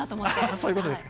そういうことですか。